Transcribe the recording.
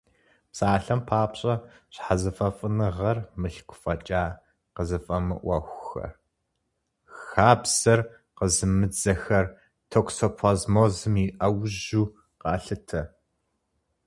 Псалъэм папщӏэ, щхьэзыфӏэфӏыныгъэр, мылъку фӏэкӏа къызыфӏэмыӏуэхухэр, хабзэр къизымыдзэхэр токсоплазмозым и ӏэужьу къалъытэ.